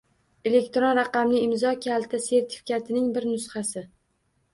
Elektron raqamli imzo kaliti sertifikatining bir nusxasi